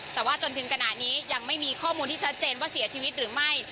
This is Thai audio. แต่ว่าจนถึงขณะนี้ยังไม่มีข้อมูลที่ชัดเจนว่าเสียชีวิตหรือไม่